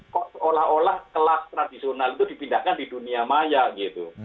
kok seolah olah kelas tradisional itu dipindahkan di dunia maya gitu